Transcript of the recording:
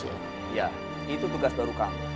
iya itu tugas baru kamu